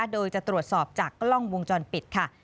โดยจะตรวจสอบจากกล้องวงจรปิดค่ะ